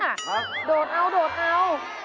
อะไรโดดเอา